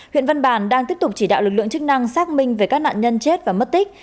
huyện văn bàn đang tiếp tục chỉ đạo lực lượng chức năng xác minh về các nạn nhân chết và mất tích